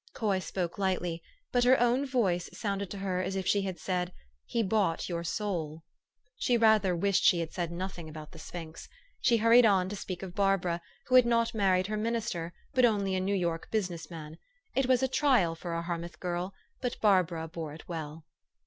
Coy spoke lightly ; but her own voice sounded to her as if she had said, u He bought your soul." She rather wished she had said nothing about the sphinx. She hurried on to speak of Barbara, who had not married her minister, but only a New York business man : it was a trial for a Harmouth girl, but Barbara bore it well.